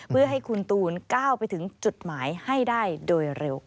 เพื่อให้คุณตูนก้าวไปถึงจุดหมายให้ได้โดยเร็วค่ะ